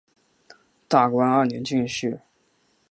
大观二年进士。